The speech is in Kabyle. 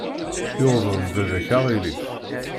Yuḍen baba-k aɣilif.